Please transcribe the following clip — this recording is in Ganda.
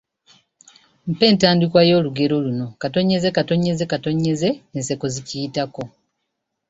Mpa entandikwa y’olugero luno: …..…,enseko zikiyitako.